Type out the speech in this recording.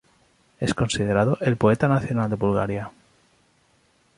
Es considerado el poeta nacional de Bulgaria.